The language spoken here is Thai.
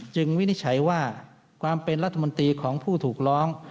วินิจฉัยว่าความเป็นรัฐมนตรีของผู้ถูกร้อง